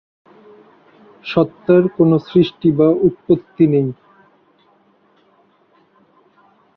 সত্তার কোন সৃষ্টি বা উৎপত্তি নেই।